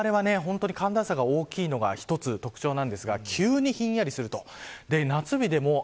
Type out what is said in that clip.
そして、この秋晴れは寒暖差が大きいのが１つ、特徴なんですが急に、ひんやりします。